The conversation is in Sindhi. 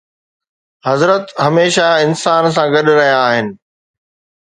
حضرت هميشه انسان سان گڏ رهيا آهن